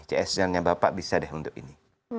csrnya bapak bisa deh untuk ini